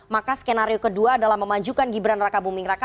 maka skenario kedua adalah memajukan gibran raka buming raka